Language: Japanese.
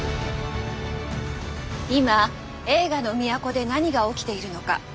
今映画の都で何が起きているのか。